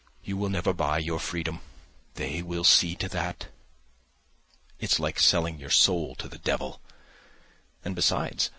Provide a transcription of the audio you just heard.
You will never buy your freedom. They will see to that. It's like selling your soul to the devil.... And besides